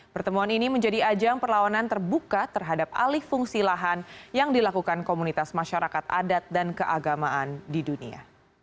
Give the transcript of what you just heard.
pertemuan ini menjadi ajang perlawanan terbuka terhadap alih fungsi lahan yang dilakukan komunitas masyarakat adat dan keagamaan di dunia